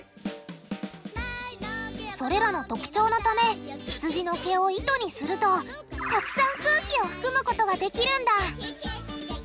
それらの特徴のためひつじの毛を糸にするとたくさん空気を含むことができるんだ。